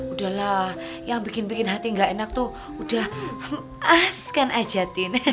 udahlah yang bikin bikin hati gak enak tuh udah as kan aja